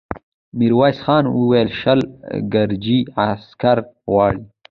ميرويس خان وويل: شل ګرجي عسکر غواړم.